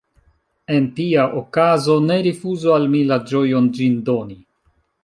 En tia okazo ne rifuzu al mi la ĝojon ĝin doni.